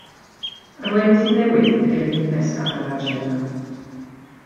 Arweinydd newydd ydi'r peth nesaf ar yr agenda.